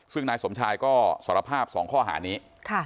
ซึ่งนายสมชายก็สารภาพ๒ข้อหานี้